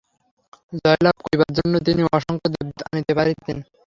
জয়লাভ করিবার জন্য তিনি অসংখ্য দেবদূত আনিতে পারিতেন।